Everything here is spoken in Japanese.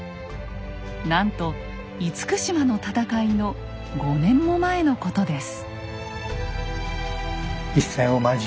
なんと厳島の戦いの５年も前のことです。